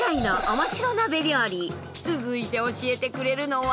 続いて教えてくれるのは。